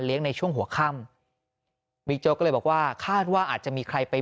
เลี้ยงในช่วงหัวค่ำด้วยก็เลยบอกว่าคาดว่าอาจจะมีใครไป